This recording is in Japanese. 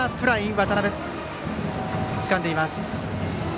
渡邊、つかんでいます。